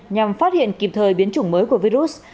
nhằm phát hiện kịp thời biến chủng mới của virus